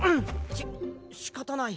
ししかたない。